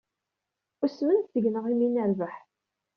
Usmen seg-neɣ imi ay nerbeḥ.